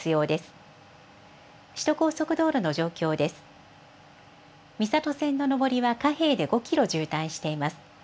みさと線の上りはかへいで５キロ渋滞しています。